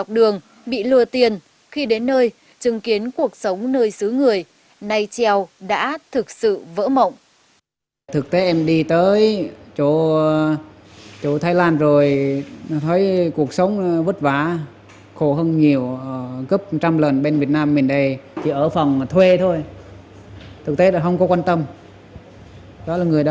dọc đường bị lừa tiền khi đến nơi chứng kiến cuộc sống nơi xứ người nay chieu đã thực sự vỡ mộng